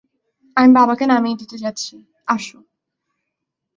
আমি বাবাকে নামিয়ে দিতে যাচ্ছি, আসো।